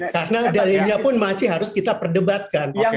karena dalilnya pun masih harus kita perdebatkan